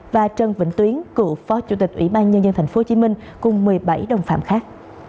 và trần vĩnh tuyến cựu phó chủ tịch ủy ban nhân dân tp hcm cùng một mươi bảy đồng phạm khác